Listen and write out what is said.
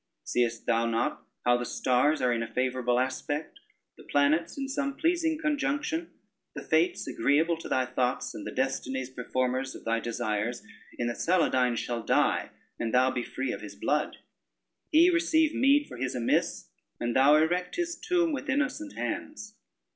Seest thou not how the stars are in a favorable aspect, the planets in some pleasing conjunction, the fates agreeable to thy thoughts, and the destinies performers of thy desires, in that Saladyne shall die, and thou be free of his blood: he receive meed for his amiss, and thou erect his tomb with innocent hands.